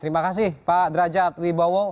terima kasih pak derajat wibowo